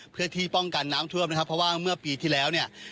เพื่อที่ป้องกันน้ำท่วมนะครับเพราะว่าเมื่อปีที่แล้วเนี่ย